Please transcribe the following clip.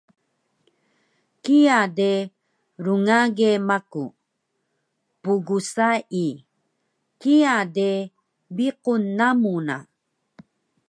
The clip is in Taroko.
Kiya de rngage maku. Pgsai, kiya de biqun namu na